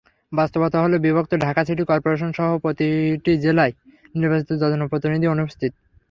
বাস্তবতা হলো, বিভক্ত ঢাকা সিটি করপোরেশনসহ প্রতিটি জেলায় নির্বাচিত জনপ্রতিনিধি অনুপস্থিত।